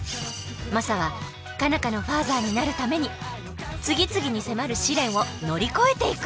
マサは佳奈花のファーザーになるために次々に迫る試練を乗り越えていく。